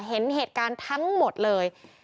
เห็นเหตุการณ์ทั้งหมดเลย